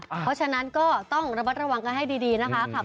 อ่าเพราะฉะนั้นก็ต้องระวังกันให้ดีนะครับ